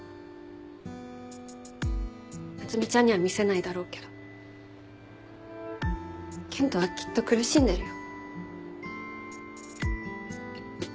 夏海ちゃんには見せないだろうけど健人はきっと苦しんでるよ。